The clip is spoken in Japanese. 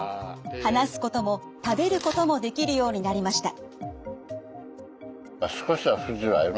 話すことも食べることもできるようになりました。